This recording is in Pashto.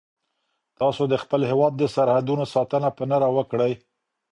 تاسو د خپل هیواد د سرحدونو ساتنه په نره وکړئ.